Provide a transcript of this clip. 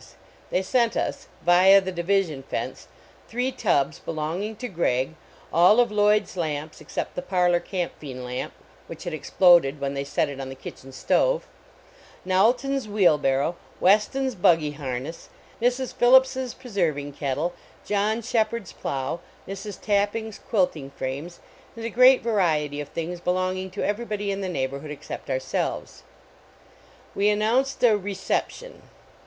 Tlu \ sent us, i iti the division fence, three tubs belonging to Gregg, all of Lloyd s lamps, except the parlor camphene lamp, which had exploded when the} set it on the kitchen stove, Knowlton s wheel barrow, \Ve ton s buggy harne . Mr . 1 hillips s pre erving kettle, John Shepherd s plow, Mr . Tapping > quilting frames, and a great variety of things belonging to everybody in the neighborhood except our elves. \Ve an nounced .1 " reception."